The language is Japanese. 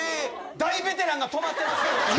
大ベテランが止まってますけど！